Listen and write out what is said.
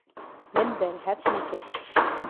Min berhev nekir.